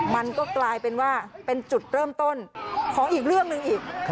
มันก็กลายเป็นว่าเป็นจุดเริ่มต้นของอีกเรื่องหนึ่งอีก